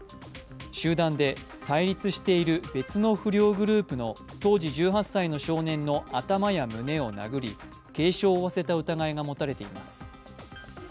集団で対立している別の不良グループの当時１８歳の少年の頭や胸を殴り、軽傷を負わせた疑いが持たれています。